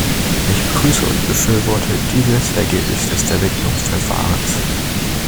Ich begrüße und befürworte dieses Ergebnis des Vermittlungsverfahrens.